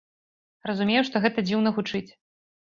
Разумею, што гэта дзіўна гучыць.